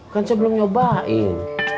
kan saya belum nyobain